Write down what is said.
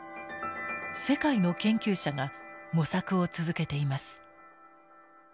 世界の研究者が模索を続けています。